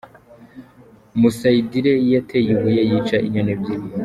Musayidire yateye ibuye yica inyoni ebyiri.